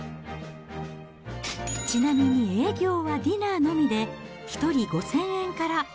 ちなみに、営業はディナーのみで、１人５０００円から。